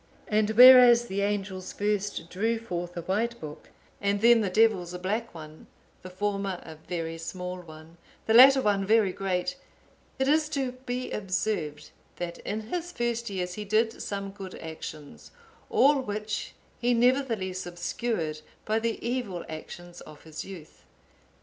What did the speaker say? And whereas the angels first drew forth a white book, and then the devils a black one; the former a very small one, the latter one very great; it is to be observed, that in his first years he did some good actions, all which he nevertheless obscured by the evil actions of his youth.